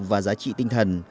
và giá trị tinh thần